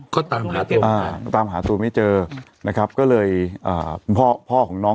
ก็ตามหาตัวอ่าตามหาตัวไม่เจอนะครับก็เลยคุณพ่อพ่อของน้อง